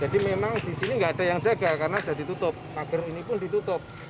tidak ditutup pager ini pun ditutup